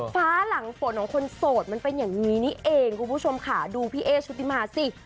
ฟ้าหลังฝนของคนโสดมันเป็นอย่างนี้นี่เองคุณผู้ชมค่ะดูพี่เอ๊ชุติมาสิ